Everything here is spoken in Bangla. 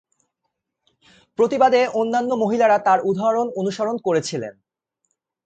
প্রতিবাদে অন্যান্য মহিলারা তার উদাহরণ অনুসরণ করেছিলেন।